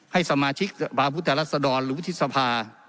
ให้สมาชิกสภาพุทธรัศดรหรือวุฒิสภา